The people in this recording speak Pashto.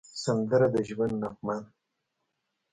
سندره د ژوند نغمه ده